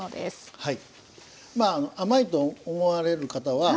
はい。